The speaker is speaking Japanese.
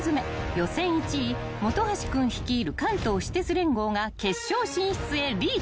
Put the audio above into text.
［予選１位本橋君率いる関東私鉄連合が決勝進出へリーチ］